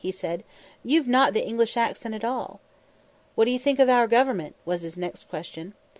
he said; "you've not the English accent at all." "What do you think of our government?" was his next question.